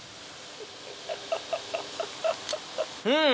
うん！